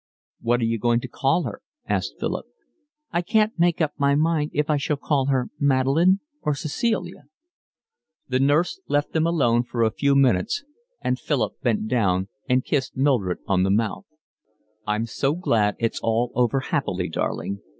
"What are you going to call her?" asked Philip. "I can't make up my mind if I shall call her Madeleine or Cecilia." The nurse left them alone for a few minutes, and Philip bent down and kissed Mildred on the mouth. "I'm so glad it's all over happily, darling."